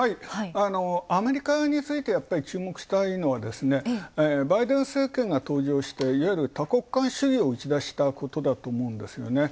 アメリカについてやっぱり注目したいのはバイデン政権が登場して、いわゆる多国間を打ち出したことだと思うんです。